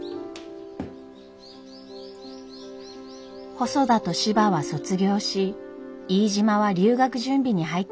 細田と柴は卒業し飯島は留学準備に入っていました。